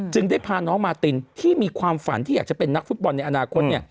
ได้พาน้องมาตินที่มีความฝันที่อยากจะเป็นนักฟุตบอลในอนาคต